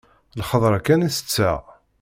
D lxeḍra kan i tetteɣ.